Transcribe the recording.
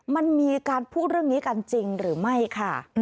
มันมีการพูดเรื่องนี้กันจริงหรือไม่ค่ะ